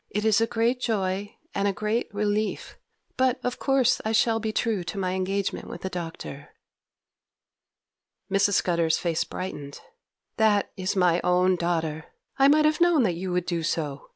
It is a great joy and a great relief, but of course I shall be true to my engagement with the Doctor.' Mrs. Scudder's face brightened. 'That is my own daughter! I might have known that you would do so.